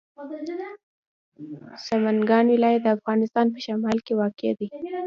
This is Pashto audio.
سمنګان ولایت د افغانستان په شمال کې واقع دی.